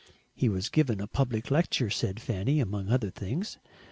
He was to give a public lecture, said Fanny, among other things.